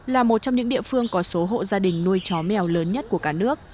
là một trong những địa phương có số hộ gia đình nuôi chó mèo lớn nhất của cả nước